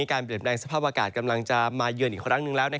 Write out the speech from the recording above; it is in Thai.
การเปลี่ยนแปลงสภาพอากาศกำลังจะมาเยือนอีกครั้งหนึ่งแล้ว